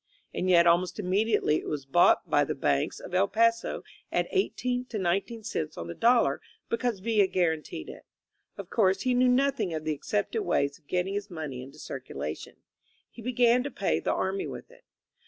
And yet almost immediately it was bought by the banks of El Paso at 18 to 19 cents on the dollar because Villa guaranteed it. Of course he knew nothing of the accepted ways of getting his money into circulation. He began to pay the army with it.